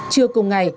trưa cùng ngày